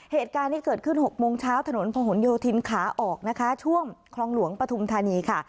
เหตุการณ์ที่เกิดขึ้น๖โมงเช้าถนนพะหนโยธินขาออกนะคะช่วงคลองหลวงปฐุมธานีค่ะ